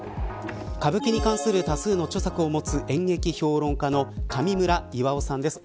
歌舞伎に関する多数の著作を持つ演劇評論家の上村以和於さんです。